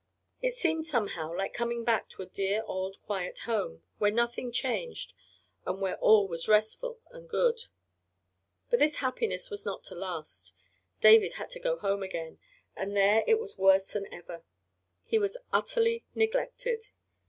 It seemed, somehow, like coming back to a dear old quiet home, where nothing changed and where all was restful and good. But this happiness was not to last. David had to go home again, and there it was worse than ever. He was utterly neglected.